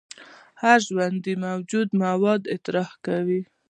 هر ژوندی موجود مواد اطراح کوي